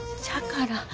じゃから。